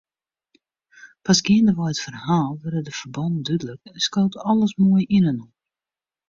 Pas geandewei it ferhaal wurde de ferbannen dúdlik en skoot alles moai yninoar.